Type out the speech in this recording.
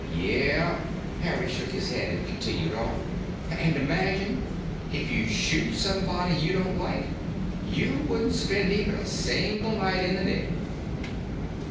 "Yeah." Harry shook his head in continued awe. "And, imagine, if you shoot somebody you don't like, you wouldn't spend even a single night in the Nick."